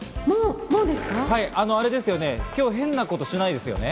あれですよね、今日変なことしないですよね？